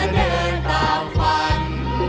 จะเดินตาฝัน